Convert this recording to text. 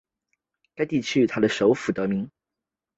该地区以它的首府汉诺威而得名。